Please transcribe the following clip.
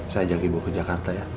saya ajak ibu ke jakarta ya